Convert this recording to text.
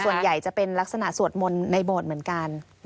ส่วนใหญ่จะเป็นลักษณะสวดมนต์ในโบสถ์เหมือนกัน